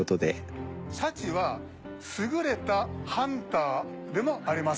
シャチは優れたハンターでもあります。